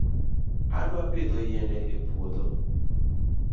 Adwa pidho yiende e puodho